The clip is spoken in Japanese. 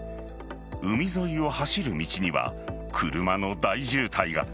海沿いを走る道には車の大渋滞が。